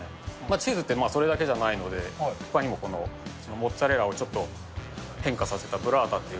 チーズって、それだけじゃないので、ほかにもそのモッツァレラをちょっと変化させたブッラータってい